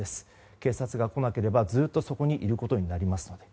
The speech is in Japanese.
警察が来なければ、ずっとそこにいることになります。